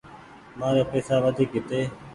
مآري پئيسا وڍيڪ هيتي۔